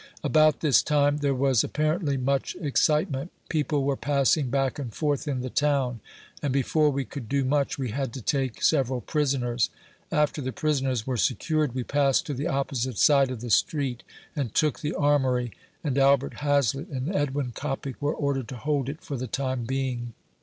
About this time, there was apparently much excitement. People were passing back and forth in the town, and before we could do much, we had to take seve ral prisoners. After the prisoners v^re secured, we passed to the opposite side of the street and took the Armory, and Albert Hazlett and Edwin Coppic were ordered to hold it for the time being.